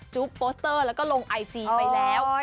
โปสเตอร์แล้วก็ลงไอจีไปแล้ว